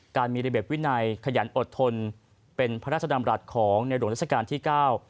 การมีระเบียบวินัยขยันอดทนเป็นพระราชดำรัฐของในหลวงราชการที่เก้า